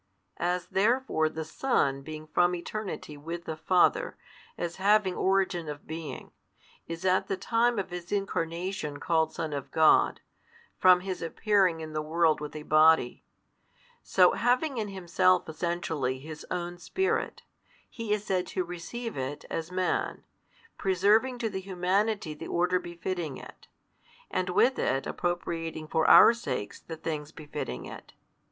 As therefore the Son being from eternity with the Father, as having Origin of Being, is at the time of His Incarnation called Son of God, from His appearing in the world with a Body; so, having in Himself Essentially His Own Spirit, He is said to receive It as Man, preserving to the Humanity the order befitting it, and with it appropriating for our sakes the things befitting it.